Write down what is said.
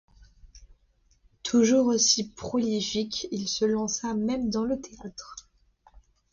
Toujours aussi prolifique, il se lança même dans le théâtre.